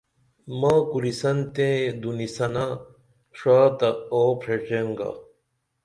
ما کوریسن تئیں دُنیسنہ ݜا تہ آو پریڇئن گا